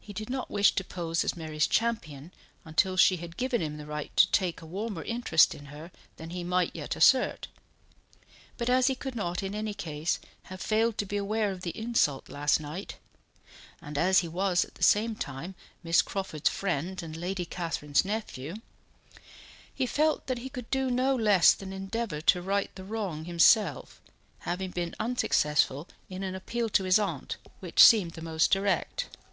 He did not wish to pose as Mary's champion until she had given him the right to take a warmer interest in her than he might yet assert; but as he could not in any case have failed to be aware of the insult last night, and as he was at the same time Miss Crawford's friend and Lady Catherine's nephew, he felt that he could do no less than endeavour to right the wrong himself, having been unsuccessful in an appeal to his aunt, which seemed the most direct.